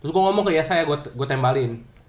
terus gue ngomong ke yesaya gue tembalin